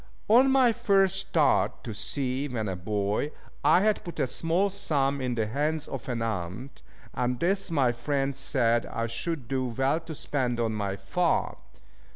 On my first start to sea when a boy, I had put a small sum in the hands of an aunt, and this my friend said I should do well to spend on my farm.